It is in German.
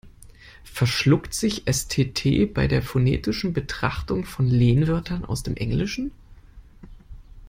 "Verschluckt" sich S-T-T bei der phonetischen Betrachtung von Lehnwörtern aus dem Englischen?